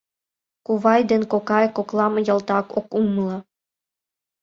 «Кувай» ден «кокай» коклам ялтак ок умыло.